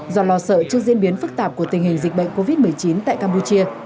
do lo sợ trước diễn biến phức tạp của tình hình dịch bệnh covid một mươi chín tại campuchia